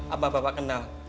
apa bapak kenal